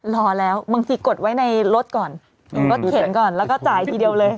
รอแล้วบางทีกดไว้ในรถก่อนรถเข็นก่อนแล้วก็จ่ายทีเดียวเลย